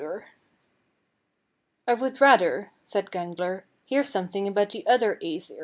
23. "I would rather," said Gangler, "hear something about the other Æsir."